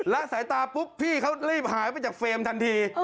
ละสายตาปุ๊บพี่เขารีบหายไปจากเฟรมทันที